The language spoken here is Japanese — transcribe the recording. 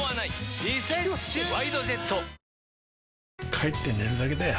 帰って寝るだけだよ